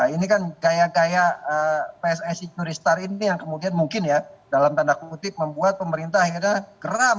ini kan gaya gaya pssi juristar ini yang kemudian mungkin ya dalam tanda kutip membuat pemerintah akhirnya geram